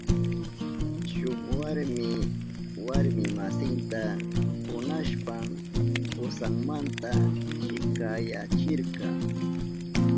Shuk warmi warmi masinta kunashpan kusanmanta chikanyachirka.